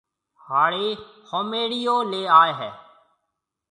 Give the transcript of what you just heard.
ھاݪِي ھوميݪيو ليَ آئيَ ھيََََ